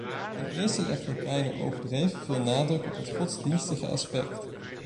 Ten eerste legt hij bijna overdreven veel nadruk op het godsdienstige aspect.